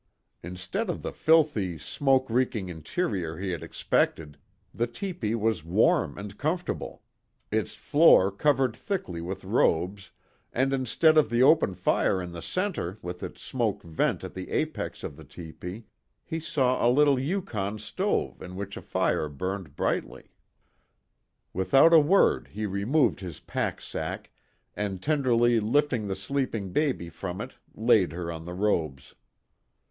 Instead of the filthy smoke reeking interior he had expected, the tepee was warm and comfortable, its floor covered thickly with robes, and instead of the open fire in the center with its smoke vent at the apex of the tepee, he saw a little Yukon stove in which a fire burned brightly. Without a word he removed his pack sack and tenderly lifting the sleeping baby from it laid her on the robes.